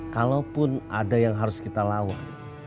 kalaupun ada yang harus kita lawan